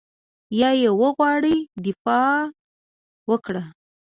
یا یې وغواړي دفاع وکړي.